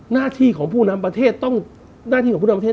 หน้าที่ของผู้นำประเทศต้องหน้าที่ของผู้นำประเทศ